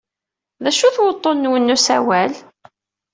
D acu-t wuḍḍun-nwen n usawal?